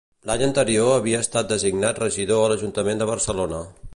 L'any anterior havia estat designat regidor a l'Ajuntament de Barcelona.